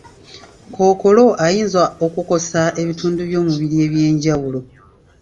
Kkookolo ayinza okukosa ebitundu by'omubiri eby'enjawulo.